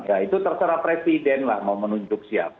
ya itu terserah presiden lah mau menunjuk siapa